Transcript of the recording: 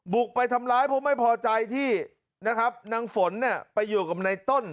บุกไปทำร้ายเพราะไม่พอใจที่นะครับนางฝนเนี่ยไปอยู่กับในต้น